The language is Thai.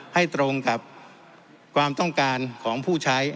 ให้ตรงกับความต้องการของผู้ใช้